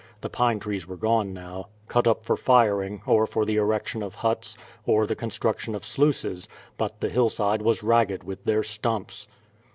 The pine trees were gone now. Cut up for firing, or for the erection of huts, or the construction of sluices, but the hillside was ragged with their stumps.